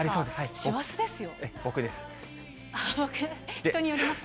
師走ですよ。